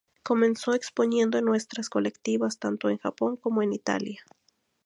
Comenzó exponiendo en muestras colectivas tanto en Japón como en Italia.